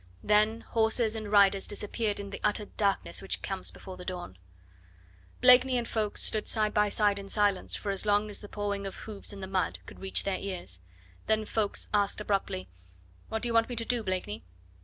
Then horses and riders disappeared in the utter darkness which comes before the dawn. Blakeney and Ffoulkes stood side by side in silence for as long as the pawing of hoofs in the mud could reach their ears, then Ffoulkes asked abruptly: "What do you want me to do, Blakeney?"